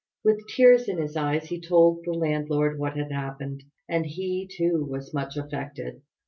With tears in his eyes he told the landlord what had happened, and he, too, was much affected.